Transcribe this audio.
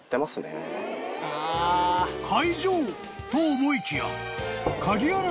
［解錠！と思いきや］